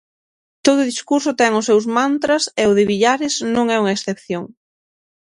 Todo discurso ten os seus mantras e o de Villares non é unha excepción.